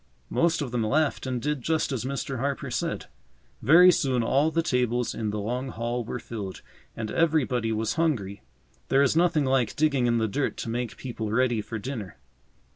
Most of them laughed and did just as Mr. Harper said. Very soon all the tables in the long hall were filled, and everybody was hungry. There is nothing like digging in the dirt to make people ready for dinner.